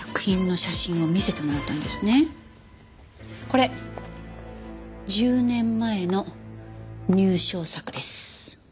これ１０年前の入賞作です。